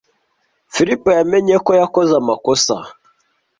Philip yamenye ko yakoze amakosa.